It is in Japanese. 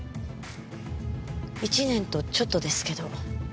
１年とちょっとですけど。